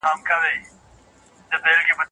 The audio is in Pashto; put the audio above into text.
د تقوا په اساس غوره والی دی.